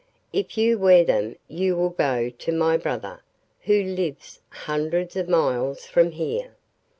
If you wear them you will get to my brother, who lives hundreds of miles from here.